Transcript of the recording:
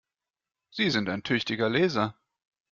Sie sind ein tüchtiger Leser!